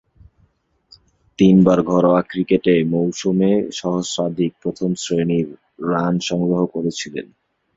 তিনবার ঘরোয়া ক্রিকেটে মৌসুমে সহস্রাধিক প্রথম-শ্রেণীর রান সংগ্রহ করেছিলেন।